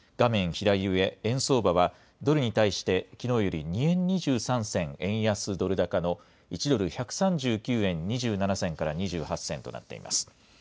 左上、円相場は、ドルに対してきのうより２円２３銭円安ドル高の１ドル１３９円２７銭から２８銭となっています。